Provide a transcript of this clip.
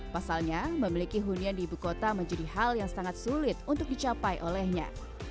pasalnya memiliki hunian di ibu kota menjadi hal yang sangat sulit untuk dicapai olehnya